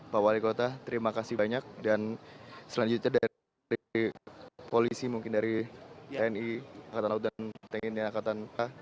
pak wali kota terima kasih banyak dan selanjutnya dari polisi mungkin dari tni angkatan laut dan tni angkatan a